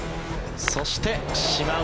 そして島内